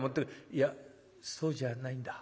「いやそうじゃないんだ。